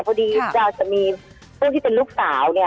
พอดีดาวจะมีผู้ที่เป็นลูกสาว